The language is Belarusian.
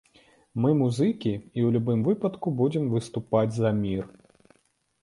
Мы музыкі, і ў любым выпадку будзем выступаць за мір.